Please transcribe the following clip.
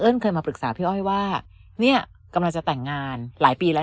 เคยมาปรึกษาพี่อ้อยว่าเนี่ยกำลังจะแต่งงานหลายปีแล้ว